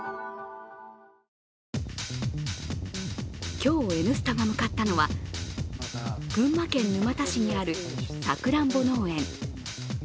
今日、「Ｎスタ」が向かったのは群馬県沼田市にあるさくらんぼ農園。